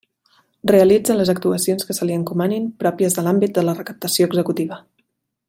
Realitza les actuacions que se li encomanin pròpies de l'àmbit de la recaptació executiva.